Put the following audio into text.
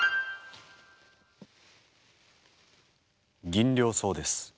ギンリョウソウです。